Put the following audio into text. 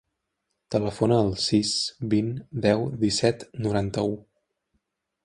Telefona al sis, vint, deu, disset, noranta-u.